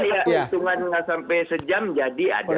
ada ya hitungannya sampai sejam jadi ada